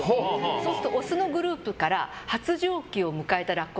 そうするとオスのグループから発情期を迎えたラッコ